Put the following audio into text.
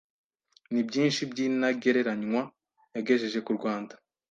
ni byinshi by’intagereranywa yagejeje ku Rwanda